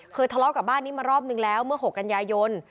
ทะเลาะกับบ้านนี้มารอบนึงแล้วเมื่อ๖กันยายน